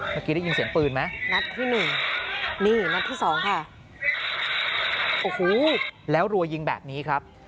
เมื่อกี้ได้ยินเสียงปืนไหมนัดที่๑นี่นัดที่๒ค่ะโอ้โหแล้วรวยิงแบบนี้ครับ